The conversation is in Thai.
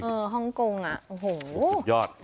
เออฮ่องกงโอ้โหยอด